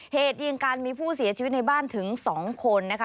เหตุยิงกันมีผู้เสียชีวิตในบ้านถึง๒คนนะคะ